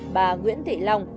bà nguyễn thị long